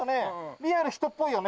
リアル人っぽいよね？